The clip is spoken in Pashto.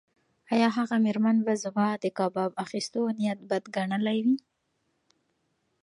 ایا هغه مېرمن به زما د کباب اخیستو نیت بد ګڼلی وای؟